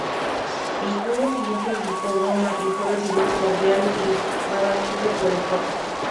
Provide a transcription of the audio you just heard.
El junio siguiente visitó Roma y fue recibido cordial y privadamente por el Papa.